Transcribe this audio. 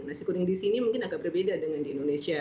nasi kuning di sini mungkin agak berbeda dengan di indonesia